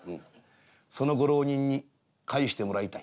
そのご浪人に返してもらいたい。